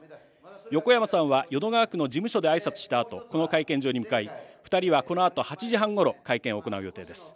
横山さんは、淀川区の事務所であいさつしたあと、この会見場に向かい、２人はこのあと８時半ごろ、会見を行う予定です。